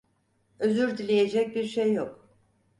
Özür dileyecek bir şey yok.